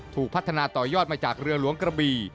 ถูกพัฒนาต่อยอดมาจากเรือหลวงกระบี่